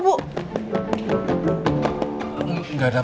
anu cuma tanski ada tadi di dalam